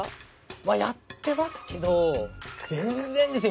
まあやってますけど全然ですよ